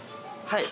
はい。